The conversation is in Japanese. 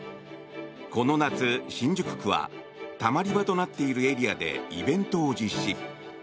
この夏、新宿区はたまり場となっているエリアでイベントを実施。